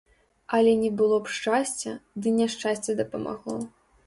Але не было б шчасця, ды няшчасце дапамагло.